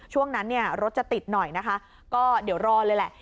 ช่วงนั้นเนี่ยรถจะติดหน่อยนะคะก็เดี๋ยวรอเลยแหละ